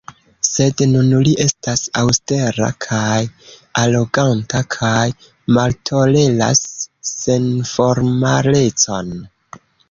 Sed nun li estas aŭstera kaj aroganta kaj maltoleras senformalecon.